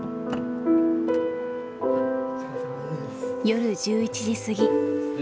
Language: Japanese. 夜１１時過ぎ。